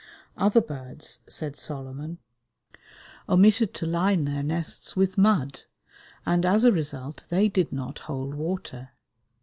Other birds, said Solomon, omitted to line their nests with mud, and as a result they did not hold water.